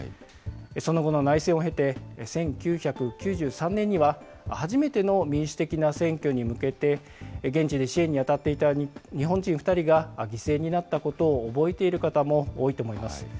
その後の内戦を経て、１９９３年には、初めての民主的な選挙に向けて、現地で支援に当たっていた日本人２人が犠牲になったことを覚えている方も多いと思います。